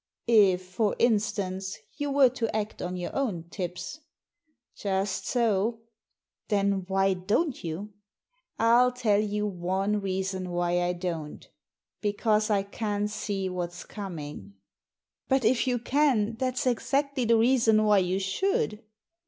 "If, for instance, you were to act on your own tips." "Just so." " Then why don't you ?"" I'll tell you one reason why I don't — because I can see what's coming." " But if you can, that's exactly the reason why you should."